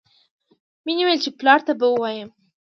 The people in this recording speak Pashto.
مینې وویل چې پلار ته به ووایم